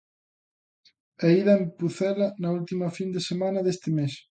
A ida en Pucela na última fin de semana deste mes.